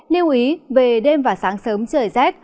liêu ý về đêm và sáng sớm trời z